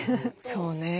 そうね。